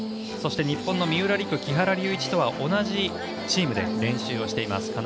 そして、日本の三浦璃来、木原龍一とは同じチームで練習をしています。